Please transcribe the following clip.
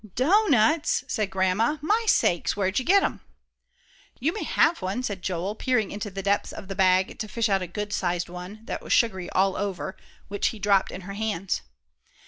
"Doughnuts?" said Grandma. "My sakes! where'd you get 'em?" "You may have one," said Joel, peering into the depths of the bag to fish out a good sized one, that was sugary all over, which he dropped in her hands.